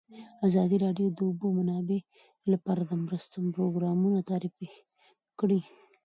ازادي راډیو د د اوبو منابع لپاره د مرستو پروګرامونه معرفي کړي.